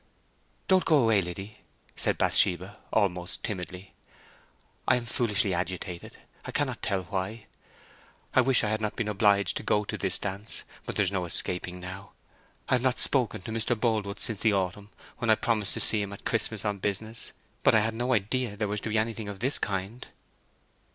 "Don't go away, Liddy," said Bathsheba, almost timidly. "I am foolishly agitated—I cannot tell why. I wish I had not been obliged to go to this dance; but there's no escaping now. I have not spoken to Mr. Boldwood since the autumn, when I promised to see him at Christmas on business, but I had no idea there was to be anything of this kind."